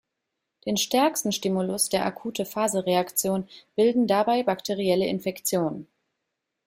Den stärksten Stimulus der Akute-Phase-Reaktion bilden dabei bakterielle Infektionen.